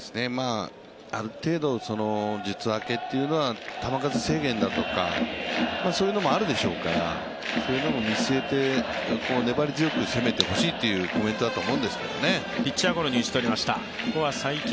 ある程度、術明けというのは球数制限だとか、そういうのもあるでしょうからそういうのも見据えて粘り強く攻めてほしいというコメントだと思うんですけどね。